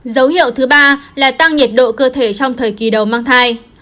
dấu hiệu thứ ba là tăng nhiệt độ cơ thể trong thời kỳ đầu mang thai